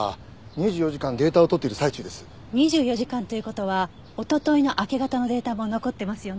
２４時間という事はおとといの明け方のデータも残ってますよね？